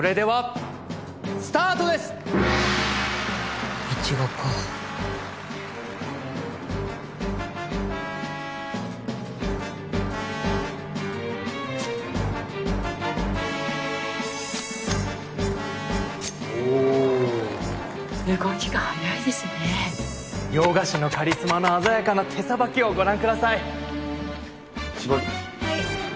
はい。